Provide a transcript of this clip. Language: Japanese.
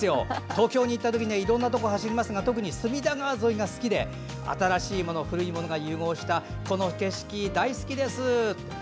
東京に行ったときにはいろんなところを走りますが特に隅田川沿いが好きで新しさ、古さが融合したこの景色、大好きです！